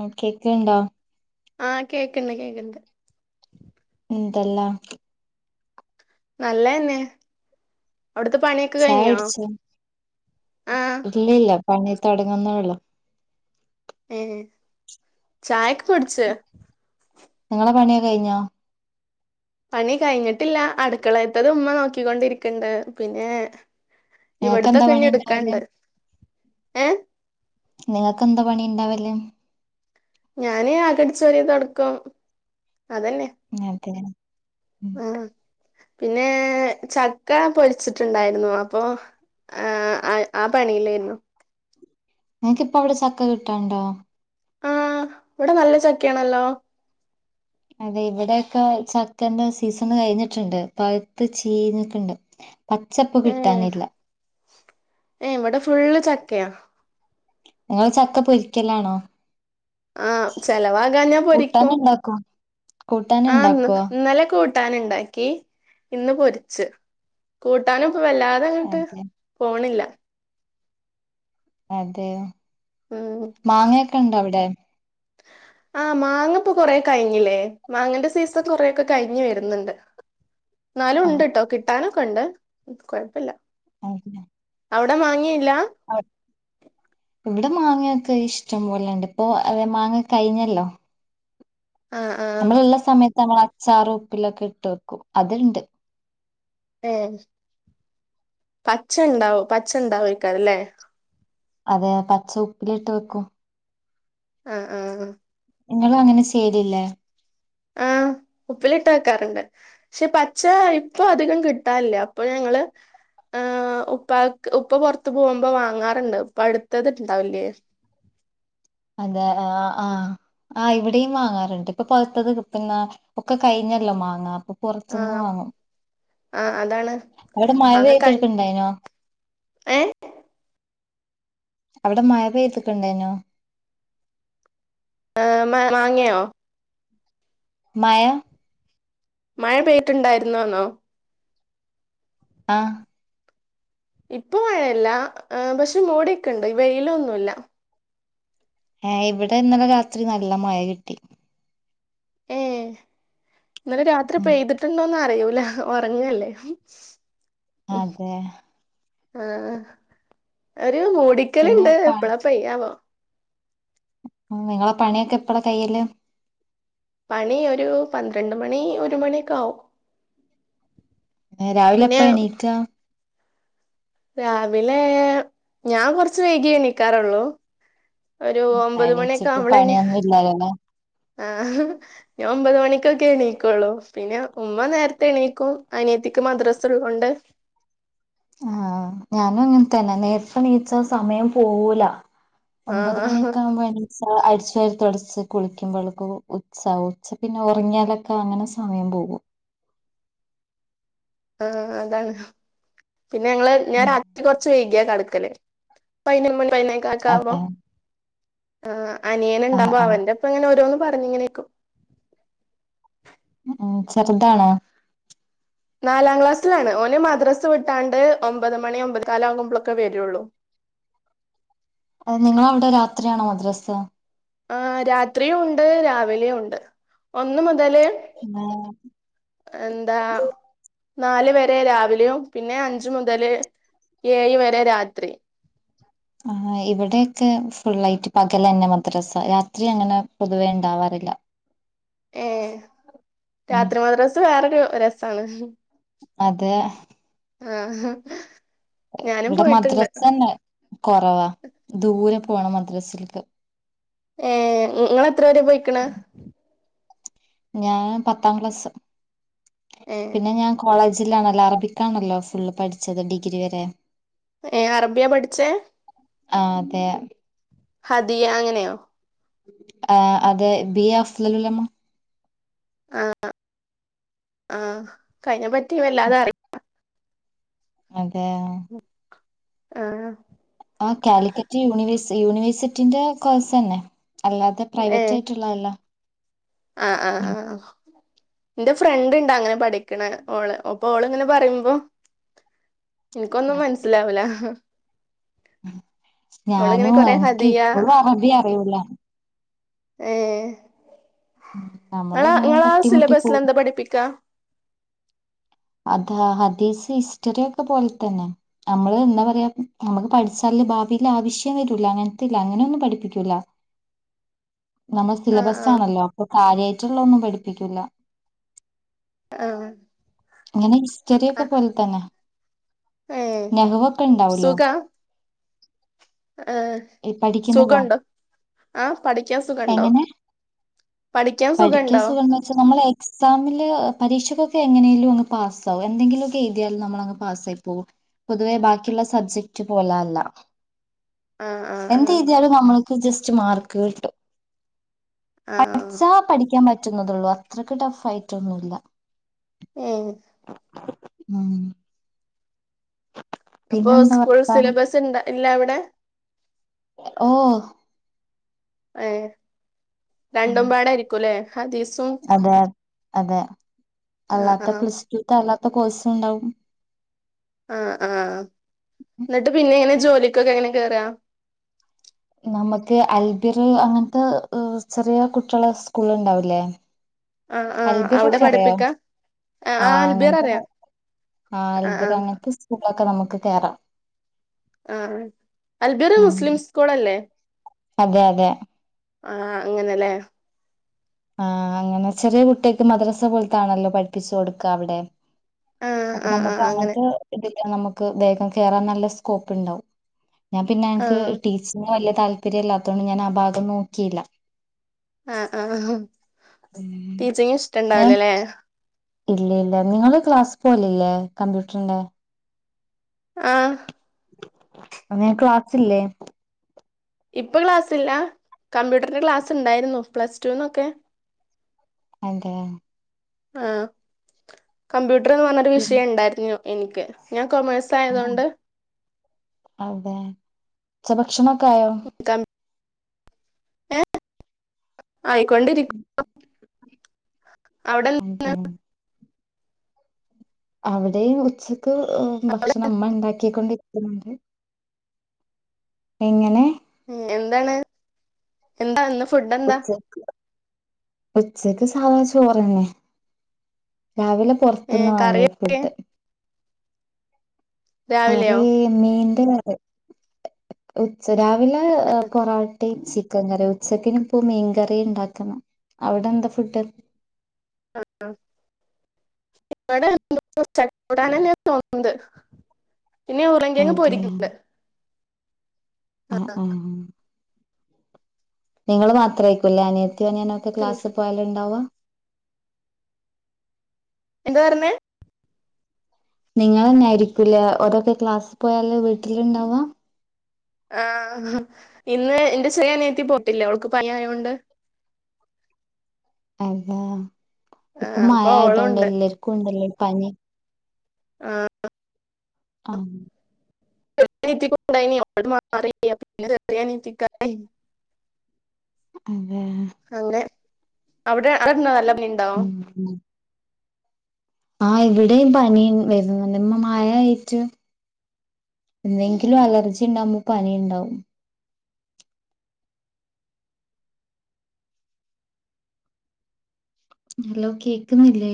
ആ കേക്ക്‌ണ്ടോ ആ കേക്ണ്ട് കേക്ണ്ട് ന്തല്ലെ നല്ലെന്നെ അവിടുത്തെ പണിയൊക്കെ ചായ കഴിഞ്ഞോ കുടിച്ചോ ആഹ് ഇല്ലില്ല പണി തുടങ്ങുന്നുള്ളൂ ഏ ചായൊക്കെ കുടിച്ചു നിങ്ങളെ പണിയൊക്കെ കഴിഞ്ഞോ പണി കഴിഞ്ഞിട്ടില്ല അടുക്കളേത്തത് ഉമ്മ നോക്കിക്കൊണ്ടിരിക്കിണ്ട് പിന്നെ നേക്കെന്താ ഇവിടത്തൊക്കെ ഇനി പണി എടുക്കാണ്ട് [unintelligible] ഏഹ് നേക്ക് എന്താ പണി ണ്ടാവല് ഞാന് അകടിച്ച് വാരും തൊടയ്ക്കും അതന്നെ നേരത്തിന് ഉം ആഹ് പിന്നെ ചക്ക പൊരിച്ചിട്ട്ണ്ടായിരുന്നു അപ്പൊ ആ ആ പണിയിലേര്ന്നു നിങ്ങക്കിപ്പോ അവിടെ ചക്ക കിട്ടാണ്ടോ ആഹ് ഇവിടെ നല്ല ചക്കയാണല്ലോ അതെ ഇവിടെയൊക്കെ ചക്കന്റെ സീസണ് കഴിഞ്ഞിട്ട്ണ്ട് പഴ്ത്ത് ചീഞ് ക്ക്ണ്ട് ഏ ഏ ഇവിടെ ഫുള്ള് ച ക്കെയ നിങ്ങള് ചക്ക പൊരിക്കലാണോ ആഹ് കൂട്ടാന് ചെലവാകാഞ്ഞാപൊരിക്കും ഇണ്ടാക്കോ കൂട്ടാന് ആ ഇണ്ടാക്കോ ന്നത് ഇന്നലെ കൂട് ട്ടാന്ണ്ടാക്കി ഇന്ന് പൊരിച്ച് കൂട്ടാനും വല്ലാതെ അങ്ങട്ട് അതെ പോണില്ല അതെ ഉം മാങ്ങയൊക്കെ ഇണ്ടോ അവിടെ ആഹ് മാങ്ങപ്പൊ കൊറേ കഴിഞ്ഞില്ലേ മാങ്ങന്റെ സീസൺ കൊറെയൊക്കെ കഴിഞ്ഞു വര്ന്ന്ണ്ട് ന്നാലും ആ ഉണ്ട് ട്ടോ കിട്ടാനും ക്കെണ്ട് കൊഴപ്പല്ല [unintelligible] അവിടെ മാങ്ങയില്ല അവ് ഇവിടെ മാങ്ങയൊക്കെ ഇഷ്ടം പോലെണ്ട് ഇപ്പൊ അതെ മാങ്ങ കഴിഞ്ഞല്ലോ ആഹ് ആഹ് നമ്മള്‌ള്ളസമയത് നമ്മള അച്ചാറു ഉപ്പിലൊക്കെ ഇട്ട് വെക്കും അത്ണ്ട് ഏ പച്ച ഇണ്ടാവും പച്ച ഇണ്ടാ വൊയ്ക്കാരല്ലേ അതെ പച്ച ഉപ്പിലിട്ട് വെക്കും ആഹ് ആ ഹ ഇങ്ങളും അങ്ങനെ ചെയ്യലില്ലേ ആഹ് ഉപ്പിലിട്ട് വക്കാറുണ്ട് ക്ഷെ പച്ച ഇപ്പൊ അധികം കിട്ടാൻല്ല അപ്പൊ ഞങ്ങള് ഏ ഉപ്പാക്ക് ഉപ്പ പൊറത്ത് പോവുമ്പോ വാങ്ങാറ്ണ്ട് പഴുത്തത് ഇണ്ടാവുല്ലേ അതെ ആഹ് ആ അ ഇവിടെയും വാങ്ങാറ്ണ്ട് പ്പൊ പഉത്തത് [unintelligible] പ്പൊക്കെ കഴിഞ്ഞല്ലോ മാങ്ങാപൊ പൊറത്ത്ന്ന് ആഹ് വാങ്ങും ആഹ് അതാണ് അവിടെ മാങ്ങ കഴി മഴപെയ്തെടുക്കണ്ടായിനോ ഏ അവിടെ മഴ പെയ്ത്ക്ക്ണ്ടായിനോ ആ മാ വാങ്യോ മയ മഴ പെയ്ട്ടുണ്ടായിരുന്നോന്നോ ആഹ് ഇപ്പൊ മഴല്ല പക്ഷെ മൂടിയൊക്കെ ഇണ്ട്ഈ വെയിലൊന്നുല്ല ഹേ ഇവിടെ ഇന്നലെ രാത്രി നല്ല മഴ കിട്ടി ഏ ഇന്നല രാത്രി ഉം പെയ്തിട്ടുണ്ടോന്ന് അറിയൂ ല ഒറങ്ങല്ലേ അതെ ആഹ് അ അ പിന്നെ മോടിക്കലുണ്ട് പ എപ്പളാ പെയ്യവോ നിങ്ങളെ പണിയൊക്കെ എപ്പഴാ കയ്യല് പണി ഒരു പന്ത്രണ്ട് മണി ഒരു മണിയക്ക ആവും രാവിലെ പിന്നെ എപ്പ എണീക്കാ രാവിലെ ഞാൻ കൊറച്ച് വൈകി എണിക്കാറുള്ളൂ ഒരു ഉം ഒമ്പത് മണിയൊക്കെ എണീച്ചിട്ട് ആപളെ പണിയൊന്നും ഇല്ലാലല്ലേ ആ ഒമ്പത് മണിക്ക എണീക്കുള്ളോ പിന്നെ ഉമ്മ നേരത്തെ എണീക്കും അനിയത്തിക്ക് മദ്രാസ ഉള്ളൊണ്ട് ആ ഞാനും ഇങ്ങനെ തന്നെ നേരത്തെ നീച്ച സമയം പോവൂല ഒമ്പത് ആഹ് മണിയൊക്കെ ആവുമ്പ അനീസ അശി തുടച്ച് കുളിക്കുമ്പോൾക് ഉച്ച ഉച്ച പിന്നെ ഉറങ്ങിയാലൊക്കെ അങ്ങനെ സമയം പോകും ആ അതാണ് പിന്നെ ഞങ്ങള് ഞൻ ഉം രാത്രി കുറച്ച് വൈഗിയ കടക്ക തല് പൈന്നൂനുമാ പ്പന കാക്ക അവോ അതെ ആ അനിയന ആഹ് ഉണ്ടാമ്പോ ആഹ് അവന്റെ അപ്പങ്ങനെ ഓരോ ന്നും പറഞ്ഞ ഇങ്ങനെയക്കും ഉ ചെറുതാണോ നാലാം ക്ലാസ്സിലാണ് ഓന് മദ്രാസ് വിട്ടാണ്ട് ഒമ്പത് മണി ഒമ്പത് കാല ആകുമ്പോളൊക്കെ വരുള്ളൂ അ നിങ്ങള അവിടെ രാത്രിയാണോ മദ്രാസ് ആ രാത്രിയും ഉണ്ട് രാവിലെയും ഉണ്ട് ഒന്ന് മൂ തല് ആഹ് എന്താ നാലു വരെ രാവിലെയും പിന്നെ അഞ്ച മുതല് ഏഴ് വരെ രാത്രി ആ ഇവിടെയൊക്കെ ഫുൾയിട്ട് പകല തന്നെ മദ്രാസ രാത്രി അങ്ങനെ പൊതുവേ ഉണ്ടാവാറില്ല ഏ രാത്രി മദ്രാസ് വേറൊരു രസാണ് അതെ ആ ഇവിടെ മദ്രസ തന്നെ കൊറവാ ദൂരെ പോണം മദ്രസിൽക്ക് ഏ ഇ ഇങ്ങൾ എത്ര പരെ പോയിക്കണ് ഞാൻ പത്താം ക്ലാസ് ഏഹ് പിന്നെ ഞാൻ കോളേജ് തില്ലാനല്ലൊ അറബിക്കാണല്ലോ ഫുള്ള് പഠിച്ചത് ഡിഗ്രി വരെ ഏ അറബിയ പഠിച്ചേ ആ അതെ ഹതിയ അങ്ങനെയോ ആ അതെ ബി എ അഫ്ളലുൽ ഉലമ ആ ആ ക്കയ്നെപ്പറ്റി വല്ലാതെ അറി അതെ ആ ആ കാലിക്കറ്റ് യൂണിവേ യൂണിവേഴ്സിറ്റിന്റെ കോഴ്സന്നെ അല്ലാതെ പ്രൈവറ്റ് ഏഹ് ആയിട്ടുള്ളതല്ല ആഹ് ആഹ് ഉം ആ എന്റെ ഫ്രണ്ട് ഉണ്ട് അങ്ങനെ പഠിക്കണ ഓള് അപ്പൊ ഓള് ഇങ്ങനെ പറയുമ്പോ എനിക്കൊന്നും മനസ്സിലാവുല ഉം ഓളിങ്ങനെ ഞാനും കൊറെ എനിക്ക് ഹദിയ ഇപ്പോഴും അറബി അറിയൂല ഏ ഉം നമ്മള് നിങ്ങള ഇങ്ങനെ നിങ്ങളാ തട്ടിമുട്ടി സിലബസിൽ പോകും എന്താ പഠിപ്പിക്കാ അതാ ഹദീസ് ഹിസ്റ്ററി ഒക്കെ പോലെ തന്നെ നമ്മള് എന്താ പറയാ നമുക്ക് പഠിച്ചാല്ല് ഭാവിൽ ആവശ്യം വരൂല അങ്ങനത്തെല്ല അങ്ങനെ ഒന്നും പഠിപ്പിക്കൂല നമ്മൾ ആഹ് സിലബസ്‌ ആണല്ലോ അപ്പൊ കാര്യാ മറ്റുള്ളൊന്നും പഠിപ്പിക്കില്ല ആ അങ്ങനെ ഹിസ്റ്ററി ഒക്കെ പോലെ തന്നെ ഏഹ് നെഹുവൊക്കെ ഇണ്ടാവൂലേ ഏ പഠിക്കുന്നതോ സുഖണ്ടോ ആ പഠിക്കാൻ സുഖണ്ടോ പഠിക്കാൻ പഠിക്കാ സുഖണ്ടോ സുഖ എന്ന് വെച്ച നമ്മള് എക്സാമില് പരീക്ഷഒകെ ക്കെ എങ്ങനെലും അങ്ങ് പാസ് ആകും എന്തെങ്കിലും ഒക്കെ എഴുതിയാലും നമ്മള പാസ്സായി പോകും പൊതുവെ ബാക്കിയുള്ള സബ്ജക്റ്റ് പോലെ അല്ല ആഹ് ആഹ് എന്ത് ആഹ് എഴുതിയാലും നമ്മൾക്ക് ജസ് റച്ച് മാർക്ക് കിട്ടും ആഹ് ച്ചാ പഠിക്കാൻ പറ്റും പറ്റുന്നത്തെതള്ളൂ അത്രക്ക് ടഫ് ആയിട്ടൊന്നുമില്ല ഏഹ് മ് അപ്പോ സ്കൂൾ വർത്താനം സിലബസ് ഉണ്ട് എല്ല ടെ ഓ ഏഹ് ഉം രണ്ടും പാടായിരിക്കൂല്ലേ അതെ അതെ ആഹ് അല്ലാത്തെ ആഹ് പ്ലസ്റ്റൂടു [unintelligible] കോഴ്സു ഉണ്ടാവും ആഹാ ആഹാ എന്നിട്ട് പിന്നെ എങ്ങനെ ജോലി ക്കൊക്കെ എങ്ങനെ കേറാ നമുക്ക് അൽബിർ അങ്ങനത്തെ ചെറിയ കുട്ടികള സ്കൂള ഉണ്ടാവൂലേ ആ ആ അവിടെ പഠിപ്പിക്ക ആ ആ അൽബീർ അറിയാ ആ ആ ക്കെ നമുക്ക് കേറാം ആ അൽബിറ ഉം മുസ്ലിം സ്കൂൾ അല്ലേ അതെ അതെ ആഹ് അങ്ങനെല്ലേ ആഹ അങ്ങനെ ചെറിയ കുട്ടികക്ക് മദ്രസ പോലത്താണല്ലോ പഠിപ്പിച്ചു കൊടുക്ക അവിടെ ആഹ് അപ്പൊ ആഹ് നമുക്ക് ആഹ് അങ്ങനെ അങ്ങട്ട്----. നമുക്ക് ദേഹം കേയറാൻ നല്ല സ്കോപ്പ് ഉണ്ടാവും ഞാൻ പിന്നെ എനിക്ക് ആഹ് ടീച്ചങ് വാലിയ താല്പര്യല്ലാത്തൊണ്ട് ഞാൻ ആ ഭാഗം നോക്കിയില്ല ആ ആ ആ ഉം ടീച്ചിങ് ഞാൻ ഇഷ്ടുണ്ടാവുലല്ലേ ഇല്ല ഇല്ല നിങ്ങള് ക്ലാസ് പോലല്ലേ കമ്പ്യൂട്ടറിന്റെ ആ അങ്ങനെ ക്ലാസ്സ്യല്ലേ ഇപ്പൊ ക്ലാസ്ല്ല കമ്പ്യൂട്ടറിന്റെ ക്ലാസ് ഉണ്ടായിരുന്നു പ്ലസ് ടുന്നൊക്കെ അതെ ആ കമ്പ്യൂട്ട...... ന്ന് പറഞ്ഞൊരു പിന്നെ വിഷയം ഉണ്ടായിരുന്നു നിക്ക് ഞാൻ ക്ക ആ മയസായതുകൊണ്ട് ച്ച ഭക്ഷണം [unintelligible] ഏ ആയിക്കൊണ്ടിരിക് അതെ അവിടെ ഉച്ചക്ക് അവിടെ ഭക്ഷണം അമ്മ ണ്ടാക്കിക്കൊണ്ടിരിക്കുന്നുണ്ട് എങ്ങനെ ഉ എന്താണ് എന്താ ഫുഡ് എന്താ ഉച്ച ഉച്ചക്ക് സാധാ ചോറ്ന്നെ രാവിലെ പൊറത്തുന്ന് വാങ്ങി കറിയൊക്കെ ഫുഡ് കറി രാവിലെയോ മീൻ അ അതെ ഉച്ച രാ വിലെ കൊറ യ് ചിക്കൻ കറി ഉച്ചക്കിനുംപ്പ മീൻകറി ഉണ്ടാക്കുന്നു അവിടെ എന്താ ഫുഡ് ആ ഇവിടെ ചക്ക കൂട്ടാനാണ്ന്ന തോന്നുന്നത് ഇനി ഉറളങ്കിഴങ്ങ് പൊരിക്ക്ണ്ട് ആ ആ നിങ്ങള് മാത്രെയ്ക്കുല്ലയിന് [unintelligible] പിന്നെ ക്ലാസ്സി പോയാലുണ്ടാവുക എന്ത് പറഞ്ഞെ നിങ്ങന്നൊയിരിക്കൂലേ ഓരോക്കെ ക്ലാസ് പോയാല് വീട്ടിലിണ്ടവാ ആ ഇന്ന് എന്റെ ചെറിയ അനിയത്തി പോട്ടില്ല ഓൾക്ക് പനിയായോണ്ട് അല്ലാഹ് ആ, ഇപ്പ മഴ അപ്പൊ ആയതോണ്ട് ഓളുണ്ട് എല്ലർക്കും ണ്ട് ല്ലെ പനി ആ ആ [unintelligible] [inaudible] അങ്ങനെ ഏ അവിടെ അവിടെന്ന് നല്ല മീൻ ണ്ടോ ആ ഇവിടെയും പനി വരുന്നുണ്ട് മഴ യായിട്ട് എന്തെങ്കിലും അലർജി ണ്ടാകുമ്പോ പനി ണ്ടാവും ഹലോ കേക്കുന്നില്ലേ